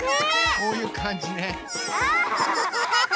こういうかんじね。